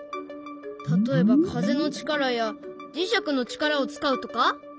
例えば風の力や磁石の力を使うとか？